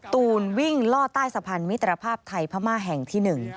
ตูนวิ่งล่อใต้สะพานมิตรภาพไทยพม่าแห่งที่๑